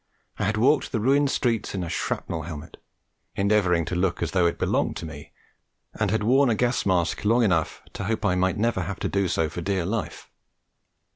I had walked the ruined streets in a shrapnel helmet, endeavouring to look as though it belonged to me, and had worn a gas mask long enough to hope I might never have to do so for dear life.